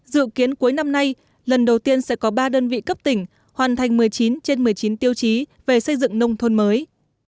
dự kiến cuối năm nay lần đầu tiên sẽ có ba đơn vị cấp tỉnh hoàn thành một mươi chín trên một mươi chín tiêu chí về xây dựng nông thôn mới